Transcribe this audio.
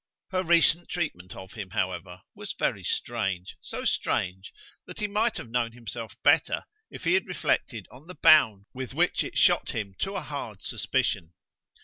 Her recent treatment of him, however, was very strange; so strange that he might have known himself better if he had reflected on the bound with which it shot him to a hard suspicion.